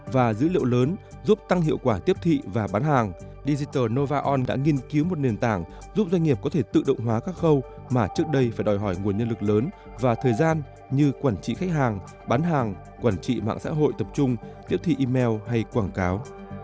và dữ liệu lớn giúp tăng hiệu quả tiếp thị và bán hàng digital nova on đã nghiên cứu một nền tảng giúp doanh nghiệp có thể tự động hóa các khâu mà trước đây phải đòi hỏi nguồn nhân lực lớn và thời gian như quản trị khách hàng bán hàng quản trị mạng xã hội tập trung tiếp thị email hay quảng cáo